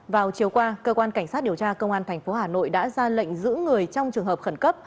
vào chiều qua cơ quan cảnh sát điều tra công an tp hà nội đã ra lệnh giữ người trong trường hợp khẩn cấp